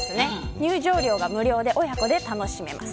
入場料が無料で親子で楽しめます。